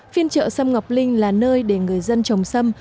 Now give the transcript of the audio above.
phiên trợ xâm ngọc linh là nơi để người dân trồng xâm